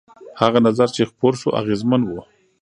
هغه نظر چې خپور شو اغېزمن و.